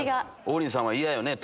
王林さんは嫌よね